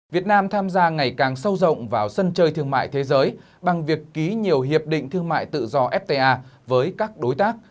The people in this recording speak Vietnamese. việt nam tham gia ngày càng sâu rộng vào sân chơi thương mại thế giới bằng việc ký nhiều hiệp định thương mại tự do fta với các đối tác